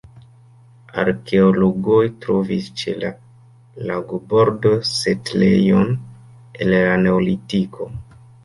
Arkeologoj trovis ĉe la lagobordo setlejon el la neolitiko.